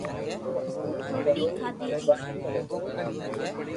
ھون ايم ڪرو ابا ايم ڪروي ھي